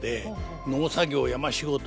農作業山仕事